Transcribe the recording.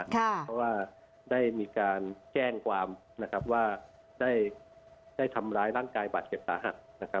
เพราะว่าได้ยากแก้งความทำร้ายร่างกายบาดเกตสถาค